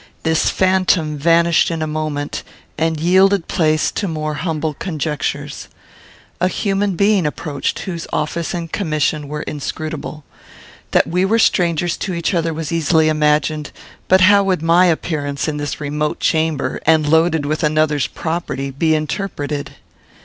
This phantom vanished in a moment, and yielded place to more humble conjectures. A human being approached, whose office and commission were inscrutable. That we were strangers to each other was easily imagined; but how would my appearance, in this remote chamber, and loaded with another's property, be interpreted?